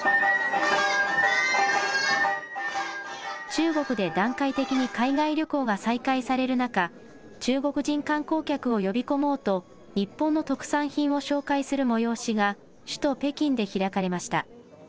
中国で段階的に海外旅行が再開される中、中国人観光客を呼び込もうと、日本の特産品を紹介する催しが首都北京で開かれました。